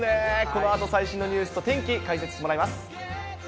このあと、最新のニュースと天気、解説してもらいます。